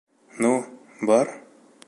Ну... бар.